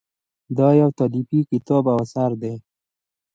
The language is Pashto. دا یو تالیفي کتاب او اثر دی.